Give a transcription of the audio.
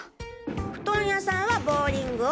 布団屋さんはボウリングを！